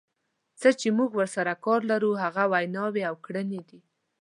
څه چې موږ ورسره کار لرو هغه ویناوې او کړنې دي.